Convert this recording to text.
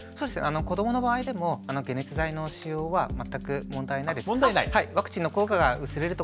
子どもの場合でも解熱剤の使用は全く問題ないです。